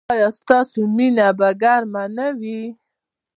ایا ستاسو مینه به ګرمه نه وي؟